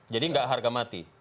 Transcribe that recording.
jadi enggak harga mati